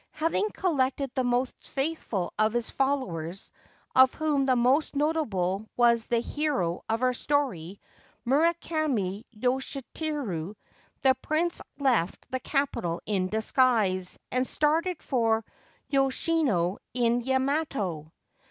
Having collected the most faithful of his followers — of whom the most notable was the hero of our story, Murakami Yoshiteru, — the Prince left the capital in disguise, and started for Yoshino in Yamato.